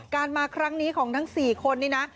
มาครั้งนี้ของทั้ง๔คนนี้นะ